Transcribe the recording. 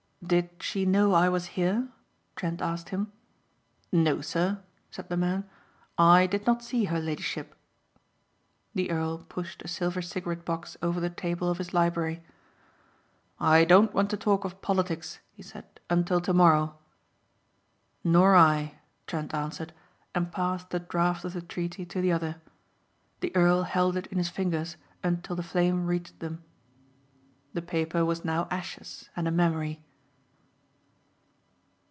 "Did she know I was here?" Trent asked him. "No, sir," said the man, "I did not see her ladyship." The earl pushed a silver cigarette box over the table of his library. "I don't want to talk of politics," he said, "until tomorrow." "Nor I," Trent answered and passed the draft of the treaty to the other. The earl held it in his fingers until the flame reached them. The paper was now ashes and a memory.